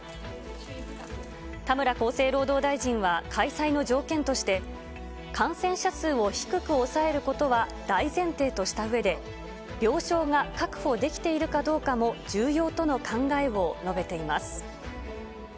田村厚生労働大臣は、開催の条件として、感染者数を低く抑えることは大前提としたうえで、病床が確保できているかどうかも重要との考えを述べています。